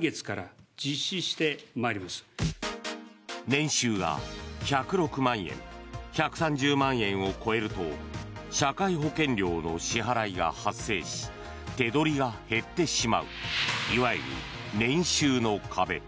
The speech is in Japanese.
年収が１０６万円１３０万円を超えると社会保険料の支払いが発生し手取りが減ってしまういわゆる年収の壁。